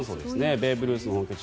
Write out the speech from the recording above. ベーブ・ルースの本拠地